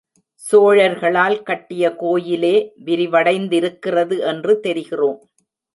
சோழர்களால் கட்டிய கோயிலே விரிவடைந்திருக்கிறது என்று தெரிகிறோம்.